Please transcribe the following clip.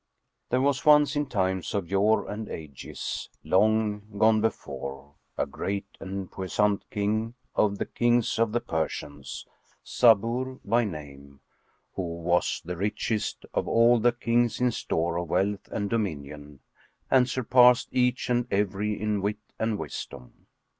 [FN#1] There was once in times of yore and ages long gone before, a great and puissant King, of the Kings of the Persians, Sαbϊr by name, who was the richest of all the Kings in store of wealth and dominion and surpassed each and every in wit and wisdom.